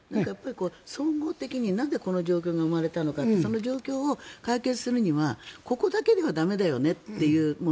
相互的になぜこの状況が生まれたのかってその状況を解決するにはここだけでは駄目だよねというもの。